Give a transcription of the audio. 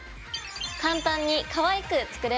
簡単にかわいく作れました。